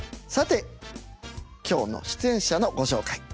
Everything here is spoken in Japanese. さて今日の出演者のご紹介。